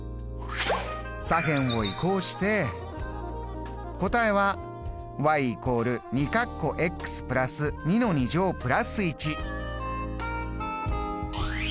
左辺を移項して答えはさあ